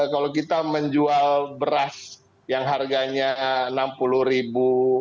kalau kita menjual beras yang harganya rp enam puluh ribu